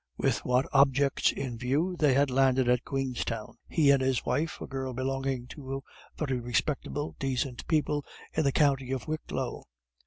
With which objects in view they had landed at Queenstown, he and his wife, a girl belonging to very respectable, decent people in the county Wicklow.